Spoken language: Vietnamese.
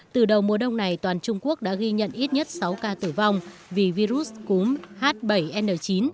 từ đầu mùa đông này toàn trung quốc đã ghi nhận ít nhất sáu ca tử vong vì virus cúm h bảy n chín